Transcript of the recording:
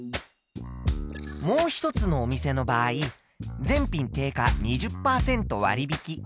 もう一つのお店の場合全品定価２０％割引。